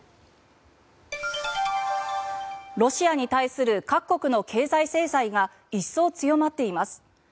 ロシアに対する各国の経済制裁が一層強まっています。